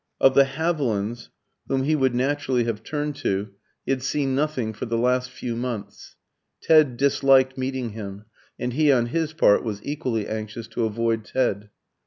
Of the Havilands, whom he would naturally have turned to, he had seen nothing for the last few months. Ted disliked meeting him, and he on his part was equally anxious to avoid Ted.